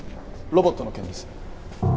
ロボットの件です。